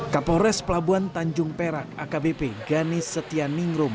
kapolres pelabuhan tanjung perak akbp ganis setia ningrum